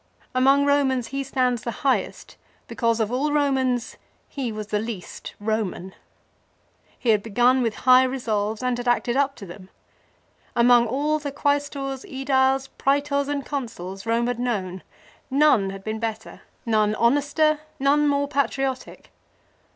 Among Eomans he stands the highest, because of all Komans he was the least Eoman. He had begun with high resolves and had acted up to them. Among all the Quaestors, ^Ediles, Praetors and Consuls Eome had known, none had been better, none honester, none more 78 LIFE OF CICERO. patriotic.